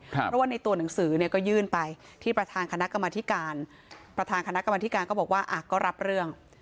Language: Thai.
เพราะว่าในตัวหนังสือเนี่ยก็ยื่นไปที่ประธานคณะกรรมธิการประธานคณะกรรมธิการก็บอกว่าอ่ะก็รับเรื่อง